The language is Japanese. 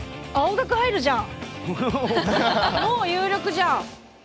もう有力じゃん。